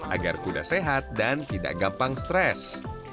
agar kuda sehat dan tidak gampang stres